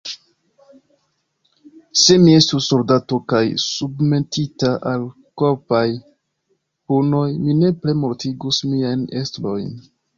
Se mi estus soldato kaj submetita al korpaj punoj, mi nepre mortigus miajn estrojn.